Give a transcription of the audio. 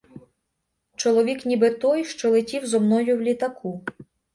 Чоловік ніби той, що летів зо мною в літаку.